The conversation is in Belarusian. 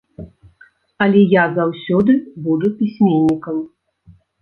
Але я заўсёды буду пісьменнікам.